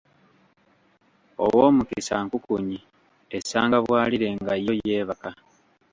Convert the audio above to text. Ow'omukisa nkukunyi, esanga bwalire nga yo yeebaka!